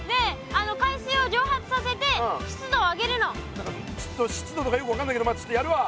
何かちょっと湿度とかよく分かんないけどちょっとやるわ。